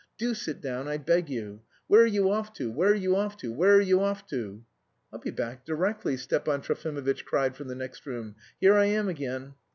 Do sit down, I beg you. Where are you off to? Where are you off to? Where are you off to?" "I'll be back directly," Stepan Trofimovitch cried from the next room. "Here I am again."